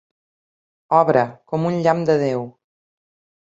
Obra, com un llamp de Déu!